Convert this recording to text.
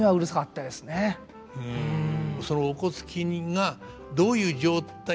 そのおこつきがどういう状態